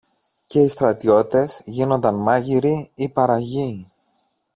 και οι στρατιώτες γίνονταν μάγειροι ή παραγιοί